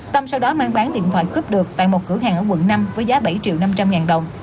tâm sau đó mang bán điện thoại cướp được tại một cửa hàng ở quận năm với giá bảy triệu năm trăm linh ngàn đồng